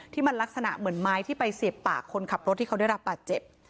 ที่มันลักษณะเหมือนไม้ที่ไปเสียบปากคนขับรถที่เขาได้รับบาดเจ็บ